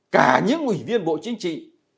cả những ủy viên bộ chính trị